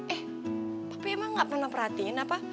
eh tapi emang gak pernah perhatiin apa